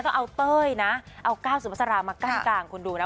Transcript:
ต้องเอาเต้ยนะเอาก้าวสูบสระมากก้างกลางคุณดูนะ